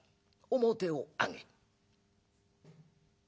面を上げ」。